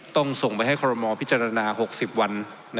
ต้องส่งไปให้ครมพิจารณา๖๐วัน